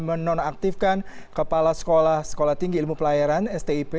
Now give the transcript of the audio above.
menonaktifkan kepala sekolah sekolah tinggi ilmu pelayaran stip